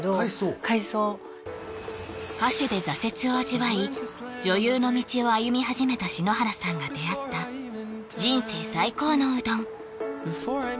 かいそう歌手で挫折を味わい女優の道を歩み始めた篠原さんが出会った人生最高のうどん